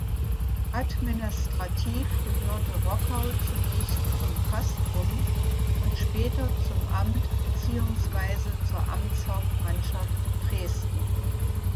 Administrativ gehörte Rockau zunächst zum Castrum und später zum Amt beziehungsweise zur Amtshauptmannschaft Dresden.